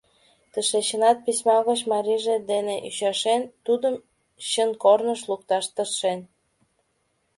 Тышечынат письма гоч марийже дене ӱчашен, тудым чын корныш лукташ тыршен.